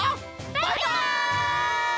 バイバイ！